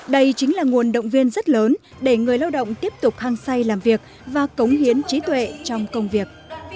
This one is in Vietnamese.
đây chính là nguồn động viên rất lớn để người lao động tiếp tục hăng say làm việc và cống hiến trí tuệ trong công việc